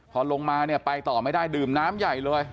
พอลงมาเนี่ยไปต่อไม่ได้ดื่มน้ำใหญ่เลย